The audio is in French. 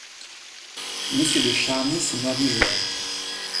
Monsieur de Charny se mordit les lèvres.